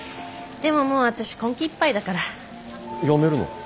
でももう私今期いっぱいだから。辞めるの？